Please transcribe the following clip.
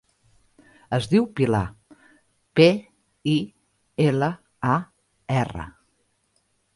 Es diu Pilar: pe, i, ela, a, erra.